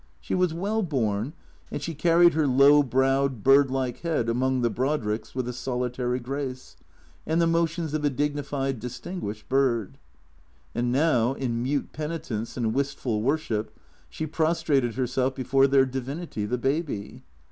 She was well born, and she carried her low browed, bird like head among the Brodricks with a solitary grace, and the motions of a dignified, distin guished bird. And now, in mute penitence and wistful worship, she pros trated herself before their divinity, the Baby.